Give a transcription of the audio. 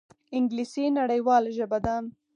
انګلیسي نړیواله ژبه ده